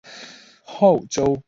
后周设莘亭县。